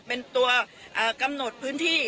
เป็นตัวกำหนดพื้นที่